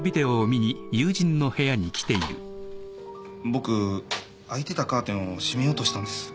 僕開いてたカーテンを閉めようとしたんです。